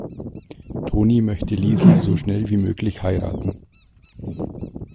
Toni möchte Liesel so schnell wie möglich heiraten.